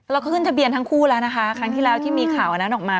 ขึ้นทะเบียนทั้งคู่แล้วนะคะครั้งที่แล้วที่มีข่าวอันนั้นออกมา